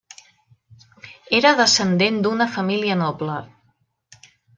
Era descendent d'una família noble.